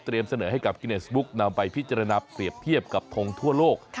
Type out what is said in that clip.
เสนอให้กับกิเนสบุ๊กนำไปพิจารณาเปรียบเทียบกับทงทั่วโลก